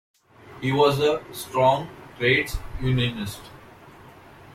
He was a strong trades unionist.